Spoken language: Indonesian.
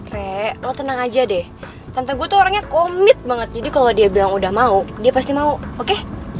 rek lo tenang aja deh tante gue tuh orangnya komit banget jadi kalau dia bilang udah mau dia pasti mau oke